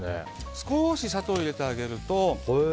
少し砂糖を入れてあげる。